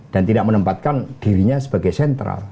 dan tidak menempatkan dirinya sebagai sentral